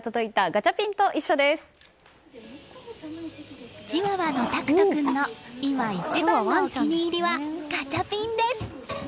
チワワの舵久斗君の今一番のお気に入りはガチャピンです。